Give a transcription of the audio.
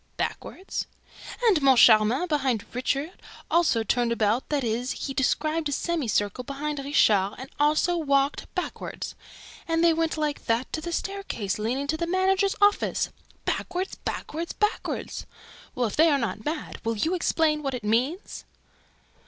"BACKWARD?" "And Moncharmin, behind Richard, also turned about; that is, he described a semicircle behind Richard and also WALKED BACKWARD! ... And they went LIKE THAT to the staircase leading to the managers' office: BACKWARD, BACKWARD, BACKWARD! ... Well, if they are not mad, will you explain what it means?"